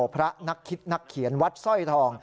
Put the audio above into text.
พระนักคิดนักเขียนวัดสร้อยทอง